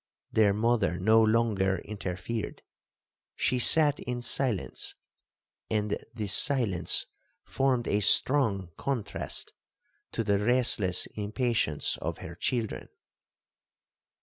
Their mother no longer interfered,—she sat in silence, and this silence formed a strong contrast to the restless impatience of her children.